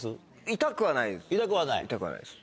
痛くはないです。